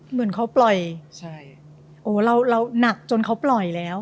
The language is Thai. เหมือนเขาปล่อยใช่โอ้เราหนักจนเขาปล่อยแล้ว